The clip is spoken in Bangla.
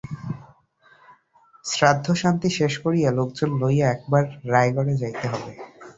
শ্রাদ্ধশান্তি শেষ করিয়া লোকজন লইয়া একবার রায়গড়ে যাইতে হইবে।